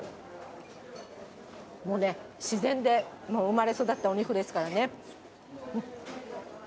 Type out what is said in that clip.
もうね、自然で生まれ育ったお肉ですからね。